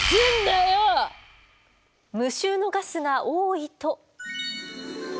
無臭のガスが多いと。